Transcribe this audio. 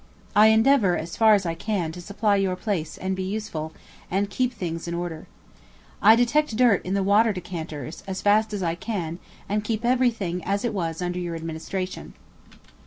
I endeavour, as far as I can, to supply your place, and be useful, and keep things in order. I detect dirt in the water decanters, as fast as I can, and keep everything as it was under your administration